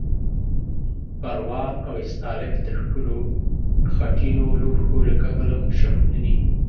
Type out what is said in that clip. پروان او استالف د ښکلو خټینو لوښو له کبله مشهور دي.